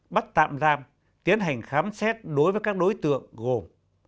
bắt tạm giam tiến hành khám xét đối với các đối tượng gồm